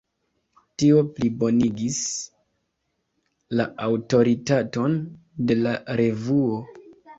Tio plibonigis la aŭtoritaton de la revuo.